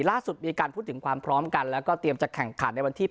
ล่าสุดมีการพูดถึงความพร้อมกันแล้วก็เตรียมจะแข่งขันในวันที่๑